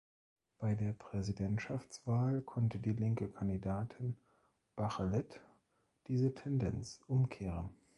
Bei der Präsidentschaftswahl konnte die linke Kandidatin Bachelet diese Tendenz umkehren.